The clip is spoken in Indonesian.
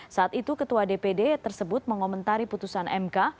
saat itu ketua dpd tersebut mengomentari putusan mk